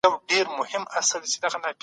موږه يې ښه وايو پر موږه